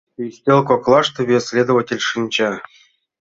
Ӱстел коклаште вес следователь шинча.